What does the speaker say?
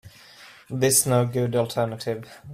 This no good alternative.